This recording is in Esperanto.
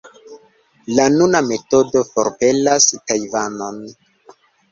La nuna metodo forpelas Tajvanon.